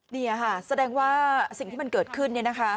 นี่ค่ะแสดงว่าสิ่งที่มันเกิดขึ้น